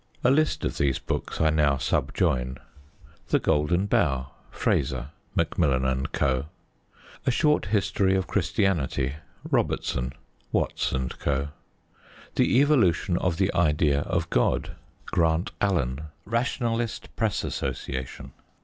A list of these books I now subjoin: The Golden Bough. Frazer. Macmillan & Co. A Short History of Christianity. Robertson. Watts & Co. The Evolution of the Idea of God. Grant Allen. Rationalist Press Association.